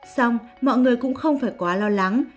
xong mọi người cũng không phải quá lo lắng